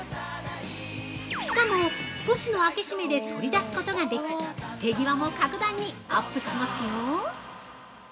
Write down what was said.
しかも少しの開け閉めで取り出すことができ、手際も格段にアップしますよ！